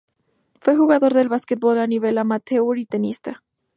Fue jugador de básquetbol a nivel amateur y tenista.